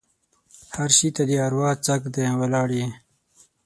هر شي ته دې اروا څک دی؛ ولاړ يې.